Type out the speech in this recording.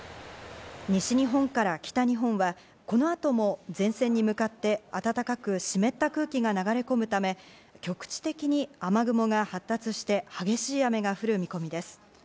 西日本から北日本はこの後も前線に向かって暖かく湿った空気が流れ込むため、局地的に雨雲が発達して激しい雨が降る見込みです。